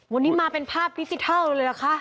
วันนี้มาเป็นภาพดิจิทัลเลยเหรอคะ